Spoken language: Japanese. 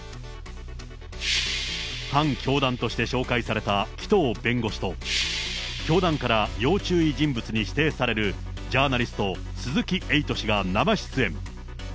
反教団として紹介された紀藤弁護士と、教団から要注意人物に指定されるジャーナリスト、鈴木エイト氏が生出演。